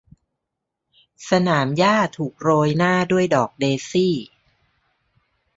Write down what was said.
สนามหญ้าถูกโรยหน้าด้วยดอกเดซี่